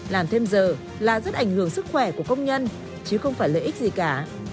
làm thêm giờ là rất ảnh hưởng sức khỏe của công nhân chứ không phải lợi ích gì cả